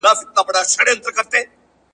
سپين ږيري سپيني خبري کوي.